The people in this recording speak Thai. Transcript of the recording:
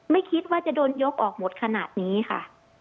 ไม่คิดว่าจะโดนยกออกหมดขนาดนี้ค่ะ